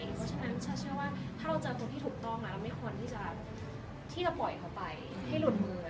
เพราะฉะนั้นชาเชื่อว่าถ้าเราเจอตัวที่ถูกต้องแล้วไม่ควรที่จะปล่อยเขาไปให้หลุดมือ